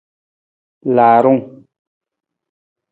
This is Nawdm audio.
Laarung.